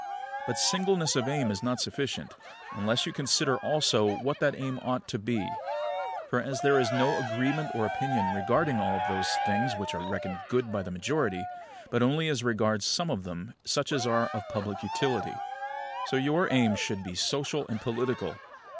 But singleness of aim is not sufficient, unless you consider also what that aim ought to be. For, as there is not agreement of opinion regarding all those things which are reckoned good by the majority, but only as regards some of them such as are of public utility; so your aim should be social and political.